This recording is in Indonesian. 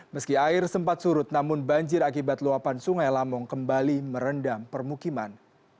meski air sempat surut namun banjir akibat luapan sungai lamong kembali merendam permukiman